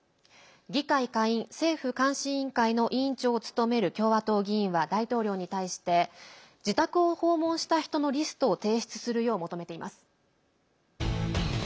議会下院政府監視委員会の委員長を務める共和党議員は大統領に対して自宅を訪問した人のリストを提出するよう求めています。